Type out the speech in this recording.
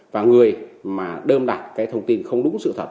và người mà đơn đặt cái thông tin không đúng sự thật